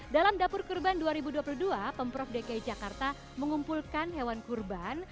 dalam dapur kurban dua ribu dua puluh dua pemprov dki jakarta mengumpulkan hewan kurban